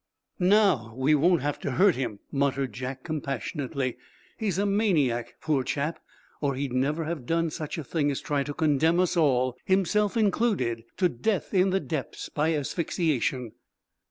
"Now, we won't have to hurt him," muttered Jack, compassionately. "He's a maniac, poor chap, or he'd never have done such a thing as try to condemn us all, himself included, to death in the depths by asphyxiation."